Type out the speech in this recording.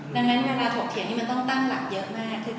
ดังนั้นเวลาถกเถียงนี่มันต้องตั้งหลักเยอะมาก